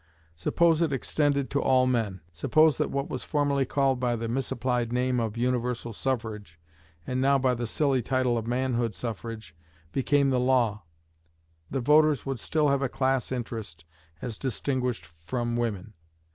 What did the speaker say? Suppose it extended to all men suppose that what was formerly called by the misapplied name of universal suffrage, and now by the silly title of manhood suffrage, became the law; the voters would still have a class interest as distinguished from women.